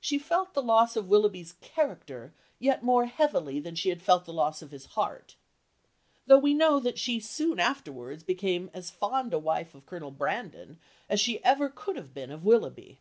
"She felt the loss of Willoughby's character yet more heavily than she had felt the loss of his heart," though we know that she soon afterwards became as fond a wife of Colonel Brandon as she ever could have been of Willoughby.